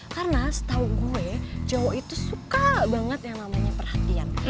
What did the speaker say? karena setau gue jawa itu suka banget yang namanya perhatian